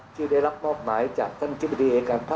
ที่ได้รับมอบหมายจากท่านทฤษฎี้เอการป์๑